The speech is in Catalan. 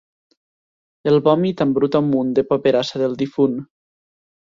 El vòmit embruta un munt de paperassa del difunt.